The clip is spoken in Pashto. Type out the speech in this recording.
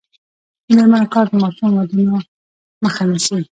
د میرمنو کار د ماشوم ودونو مخه نیسي.